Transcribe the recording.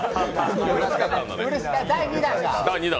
第２弾が。